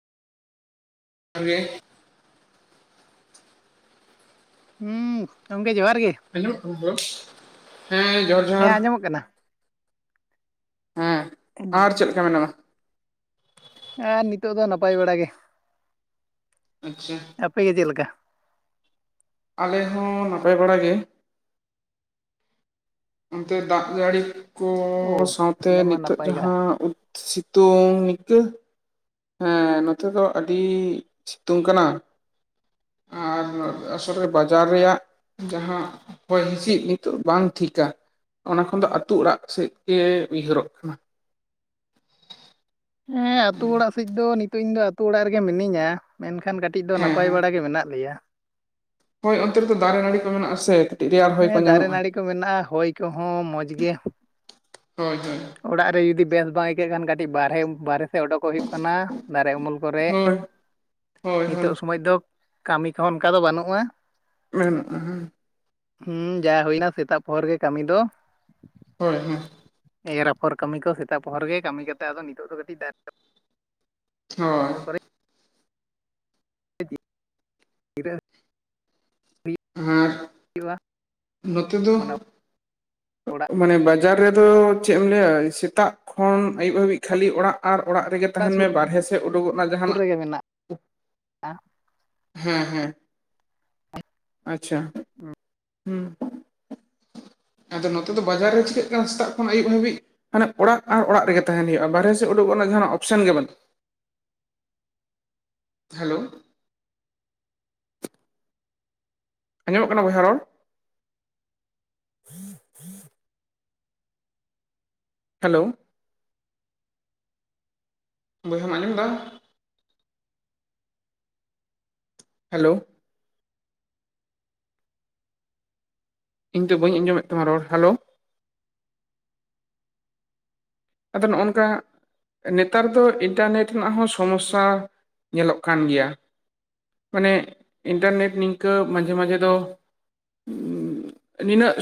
ᱡᱚᱦᱟᱨ ᱜᱮ᱾ ᱦᱩᱸᱻ ᱜᱚᱝᱠᱮ ᱡᱚᱦᱟᱨ ᱜᱮ᱾ ᱟᱸᱡᱚᱢᱚᱜ ᱠᱟᱱᱟ ᱨᱚᱲ? ᱦᱮᱸ ᱡᱚᱦᱟᱨ᱾ ᱦᱮᱸ ᱡᱚᱦᱟᱨ ᱟᱸᱡᱚᱢᱚᱜ ᱠᱟᱱᱟ᱾ ᱦᱮᱸ ᱟᱨ ᱪᱮᱫ ᱞᱮᱠᱟ ᱢᱮᱱᱟᱢᱟ ᱟᱨ ᱱᱤᱛᱚᱜ ᱫᱚ ᱱᱟᱯᱟᱭ ᱵᱟᱲᱟ ᱜᱮ ᱟᱪᱪᱷᱟ ᱟᱯᱮ ᱜᱮ ᱪᱮᱫ ᱞᱮᱠᱟ? ᱟᱞᱮ ᱦᱚᱸ ᱱᱟᱯᱟᱭ ᱵᱟᱲᱟᱜ ᱜᱮ᱾ ᱚᱱᱛᱮ ᱫᱟᱜ ᱡᱟᱹᱲᱤ ᱠᱚ ᱚ ᱥᱟᱶᱛᱮ ᱟᱞᱮ ᱢᱟ ᱱᱤᱛᱚᱜ ᱱᱟᱯᱟᱭ ᱜᱮ ᱡᱟᱦᱟᱸ ᱥᱤᱛᱳᱝ ᱤᱱᱠᱟᱹ ᱦᱮᱸ ᱱᱚᱛᱮ ᱫᱚ ᱟᱹᱰᱤ ᱥᱤᱛᱩᱝ ᱠᱟᱱᱟ᱾ ᱟᱨ ᱟᱥᱚᱞ ᱨᱮ ᱵᱟᱡᱟᱨ ᱨᱮᱭᱟᱜ ᱡᱟᱦᱟᱸ ᱦᱚᱭ ᱦᱤᱸᱥᱤᱫ ᱱᱤᱛᱚᱜ ᱵᱟᱝ ᱴᱷᱤᱠ ᱟ ᱾ ᱚᱱᱟ ᱠᱷᱚᱱ ᱫᱚ ᱟᱹᱛᱩ ᱚᱲᱟᱜ ᱥᱮᱫ ᱜᱮ ᱩᱭᱦᱟᱹᱨᱚᱜ ᱠᱟᱱᱟ᱾ ᱦᱮᱸ ᱟᱛᱳ ᱚᱲᱟᱜ ᱥᱮᱡ ᱫᱚ ᱱᱤᱛᱚᱜ ᱤᱧ ᱫᱚ ᱟᱛᱳ ᱚᱲᱟᱜ ᱨᱮᱜᱮ ᱢᱤᱱᱟᱹᱧᱟ ᱢᱮᱱᱠᱷᱟᱱ ᱠᱟᱹᱴᱤᱡ ᱠᱟᱴᱤᱡ ᱫᱚ ᱦᱮᱸ ᱱᱟᱯᱟᱭ ᱦᱮᱸ ᱵᱟᱲᱟ ᱜᱮ ᱢᱮᱱᱟᱜ ᱞᱮᱭᱟ ᱦᱳᱭ ᱚᱱᱛᱮ ᱨᱮ ᱫᱚ ᱫᱟᱨᱮ ᱱᱟᱲᱤ ᱠᱚ ᱢᱮᱱᱟᱜᱼᱟᱥᱮ ᱦᱮᱸ ᱫᱟᱨᱮ ᱱᱟᱹᱲᱤ ᱠᱚ ᱢᱮᱱᱟᱜᱼᱟ ᱦᱚᱭ ᱠᱚᱦᱚᱸ ᱢᱚᱡᱽ ᱜᱮ ᱦᱳᱭ ᱦᱳᱭ ᱚᱲᱟᱜ ᱨᱮ ᱡᱩᱫᱤ ᱵᱮᱥ ᱵᱟᱝ ᱟᱹᱭᱠᱟᱹᱜ ᱠᱷᱟᱱ ᱠᱟᱹᱴᱤᱡ ᱵᱟᱨᱦᱮ ᱵᱟᱦᱨᱮ ᱥᱮᱜ ᱳᱰᱳᱚᱠᱚᱜ ᱦᱩᱭᱩᱜ ᱠᱟᱱᱟ ᱫᱟᱨᱮ ᱩᱢᱩᱞ ᱠᱚᱨᱮ ᱦᱳᱭ ᱦᱳᱭ ᱦᱳᱭ ᱱᱤᱛᱚᱜ ᱥᱚᱢᱚᱭ ᱫᱚ ᱠᱟᱹᱢᱤ ᱠᱚᱦᱚᱸ ᱚᱱᱠᱟ ᱫᱚ ᱵᱟᱹᱱᱩᱜᱼᱟ᱾ [unintelligible] ᱦᱩᱸ ᱡᱟ ᱦᱩᱭᱱᱟ ᱥᱮᱛᱟᱜ ᱯᱳᱨ ᱜᱮ ᱠᱟᱹᱢᱤ ᱫᱚ ᱦᱳᱭ ᱦᱩᱸ ᱮᱨ ᱟᱯᱷᱚᱨ ᱠᱟᱹᱢᱤ ᱠᱚ ᱥᱮᱛᱟᱜ ᱯᱳᱨ ᱜᱮ ᱠᱟᱹᱢᱤ ᱠᱟᱛᱮ ᱟᱫᱚ ᱱᱤᱛ ᱫᱚ ᱠᱟᱹᱴᱤᱡ ᱫᱟ᱾ ᱚ [inaudible] [inaudible] ᱦᱩᱸ ᱦᱩᱭᱩᱜᱼᱟ ᱱᱚᱛᱮ ᱫᱚ ᱢᱟᱱᱮ ᱚᱲᱟᱜ ᱢᱟᱱᱮ ᱵᱟᱡᱟᱨ ᱨᱮᱫᱚ ᱪᱮᱫ ᱮᱢ ᱞᱟᱹᱭᱟ ᱥᱮᱛᱟᱜ ᱠᱷᱚᱱ ᱟᱹᱭᱩᱵ ᱦᱟᱹᱵᱤᱡ ᱠᱷᱟᱹᱞᱤ ᱚᱲᱟᱜ ᱟᱨ ᱚᱲᱟᱜ ᱨᱮᱜᱮ ᱛᱟᱦᱮᱱ ᱢᱮ ᱵᱟᱨᱦᱮ ᱥᱮᱫ ᱩᱰᱩᱠᱚᱜ ᱡᱟᱦᱟᱱᱟᱜ ᱨᱮᱜᱮ ᱢᱮᱱᱟᱜᱼᱟ ᱦᱮ ᱦᱮ ᱟᱪᱪᱷᱟ ᱦᱩᱸ ᱦᱩᱸ ᱟᱫᱚ ᱱᱚᱛᱮ ᱫᱚ ᱵᱟᱡᱟᱨ ᱨᱮ ᱪᱤᱠᱟᱹᱜ ᱠᱟᱱᱟ ᱥᱮᱛᱟᱜ ᱠᱷᱚᱱ ᱟᱹᱭᱩᱵ ᱦᱟᱹᱵᱤᱡ ᱢᱟᱱᱮ ᱚᱲᱟᱜ ᱟᱨ ᱚᱲᱟᱜ ᱨᱮᱜᱮ ᱛᱟᱦᱮᱱ ᱦᱩᱭᱩᱜᱼᱟ ᱵᱟᱨᱦᱮ ᱥᱮᱫ ᱩᱰᱩᱠᱚᱜ ᱨᱮᱱᱟᱜ ᱡᱟᱦᱟᱱᱟᱜ ᱚᱯᱷᱥᱮᱱ ᱜᱮ ᱵᱟᱹᱱᱩᱜ-ᱟ᱾ ᱦᱮᱞᱳ ᱟᱸᱡᱚ ᱢᱚᱜ ᱠᱟᱱᱟ ᱵᱚᱭᱦᱟ ᱨᱚᱲ᱾ ᱦᱮᱞᱳ ᱵᱚᱭᱦᱟᱢ ᱟᱸᱡᱚᱢ ᱫᱟᱢ᱾ ᱦᱮᱞᱳ ᱤᱧ ᱫᱚ ᱵᱟᱹᱧ ᱟᱸᱡᱚ ᱢᱮᱫ ᱛᱟᱢᱟ ᱨᱚᱲ ᱦᱮᱞᱳ ᱟᱫᱚ ᱱᱚᱦ-ᱚᱱ ᱠᱟ ᱱᱮᱛᱟᱨ ᱫᱚ ᱤᱱᱴᱟᱨᱱᱮᱴ ᱨᱮᱱᱟᱜ ᱦᱚ ᱥᱚᱢᱚᱥᱥᱟ ᱧᱮᱞᱚᱜ ᱠᱟᱱ ᱜᱮᱭᱟ᱾ ᱢᱟᱱᱮ ᱤᱱᱴᱟᱨᱱᱮᱴ ᱱᱤᱝ ᱠᱟᱹ ᱢᱟᱡᱷᱮ ᱢᱟᱡᱷᱮ ᱫᱚ [unintelligible] ᱱᱤᱱᱟᱹᱜ